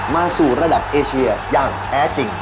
สู่ระดับเอเชียอย่างแท้จริง